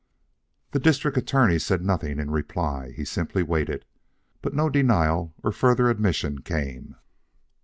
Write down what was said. The District Attorney said nothing in reply, he simply waited. But no denial or further admission came.